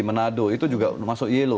manado itu juga masuk yellow